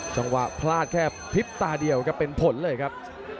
จังหวะพลาดแค่พลิบตาเดียวครับเป็นผลเลยครับ